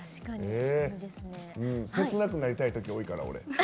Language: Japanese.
切なくなりたいとき多いから、俺。